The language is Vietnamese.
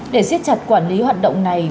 để xiết chặt quản lý hoạt động này